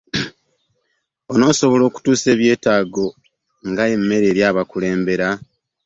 Ono asobole okutuusa ebyetaago nga emmere eri b'akulembera.